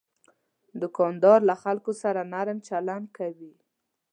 دوکاندار له خلکو سره نرم چلند کوي.